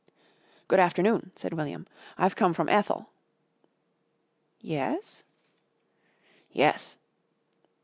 "Good afternoon," said William. "I've come from Ethel." "Yes?" "Yes."